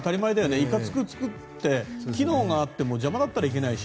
いかつく作って機能があっても邪魔だったらいけないし。